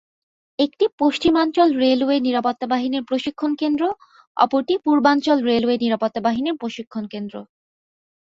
একটি পশ্চিমাঞ্চল রেলওয়ে নিরাপত্তা বাহিনীর প্রশিক্ষণকেন্দ্র, অপরটি পূর্বাঞ্চল রেলওয়ে নিরাপত্তা বাহিনীর প্রশিক্ষণকেন্দ্র।